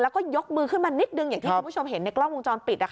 แล้วก็ยกมือขึ้นมานิดนึงอย่างที่คุณผู้ชมเห็นในกล้องวงจรปิด